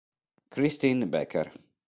Christine Becker